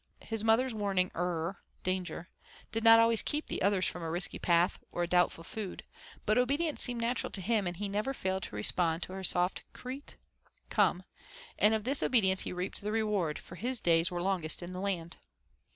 His mother's warning 'rrrrr' (danger) did not always keep the others from a risky path or a doubtful food, but obedience seemed natural to him, and he never failed to respond to her soft 'K reet' (Come), and of this obedience he reaped the reward, for his days were longest in the land.